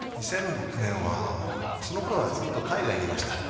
２００６年はその頃はずっと海外にいました。